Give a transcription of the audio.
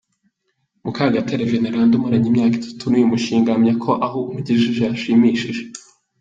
Mukagatare Veneranda umaranye imyaka itatu n’uyu mushinga, ahamya ko aho umugejeje hashimishije.